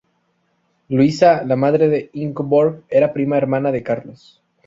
Luisa, la madre de Ingeborg era prima hermana de Carlos.